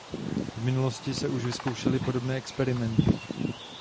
V minulosti se už vyzkoušely podobné experimenty.